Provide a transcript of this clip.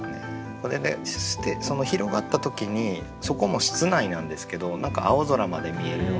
これで広がった時にそこも室内なんですけど何か青空まで見えるような。